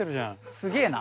すげえな。